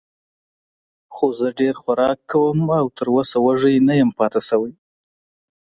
خو زه ډېر خوراک کوم او تراوسه وږی نه یم پاتې شوی.